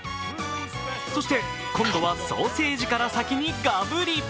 そして今度はソーセージから先にがぶり。